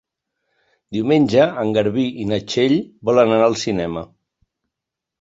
Diumenge en Garbí i na Txell volen anar al cinema.